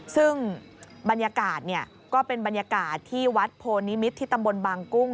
ซึ่งบรรยากาศก็เป็นบรรยากาศที่วัดโพนิมิตรที่ตำบลบางกุ้ง